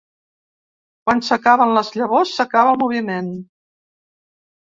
Quan s'acaben les llavors s'acaba el moviment.